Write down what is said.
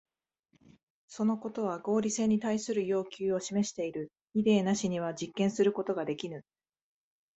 そのことは合理性に対する要求を示している。イデーなしには実験することができぬ。